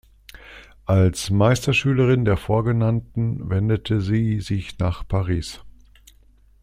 Als Meisterschülerin der Vorgenannten wendete sie sich nach Paris.